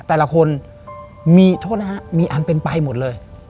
แต่ละคนมีอันเป็นไปหมดเลย